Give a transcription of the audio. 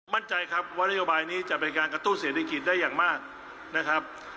มั่นใจครับว่านโยบายนี้จะเป็นการกระตุ้นเศรษฐกิจได้อย่างมากนะครับ